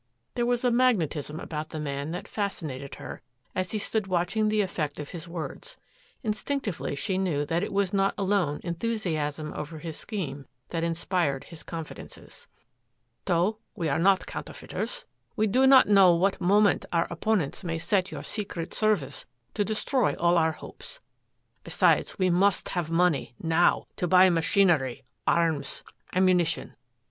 There was a magnetism about the man that fascinated her, as he stood watching the effect of his words. Instinctively she knew that it was not alone enthusiasm over his scheme that inspired his confidences. "Though we are not counterfeiters," he went on, "we do not know what moment our opponents may set your Secret Service to destroy all our hopes. Besides, we must have money now to buy machinery, arms, ammunition.